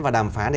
và đàm phán